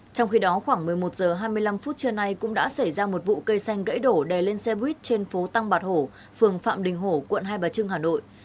trong khi đó khoảng một mươi một h hai mươi năm phút trưa nay cũng đã xảy ra một vụ cây xanh gãy đổ đè lên xe buýt trên phố tăng bạc hổ phường phạm đình hổ quận hai bà trưng hà nội